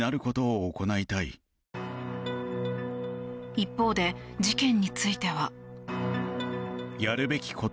一方で、事件については。